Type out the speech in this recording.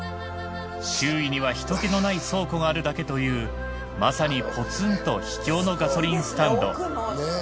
周囲には人けのない倉庫があるだけというまさにポツンと秘境のガソリンスタンド！